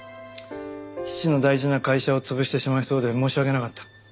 父の大事な会社を潰してしまいそうで申し訳なかった。